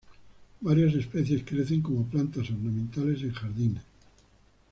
Varias especies crecen como planta ornamentales en jardines.